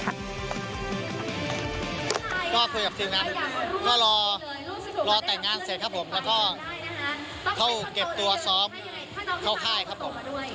ก็คุยกับทีมนั้นก็รอแต่งงานเสร็จครับครับผมแล้วก็เขาเก็บตัวสอบเข้าไห้ครับผม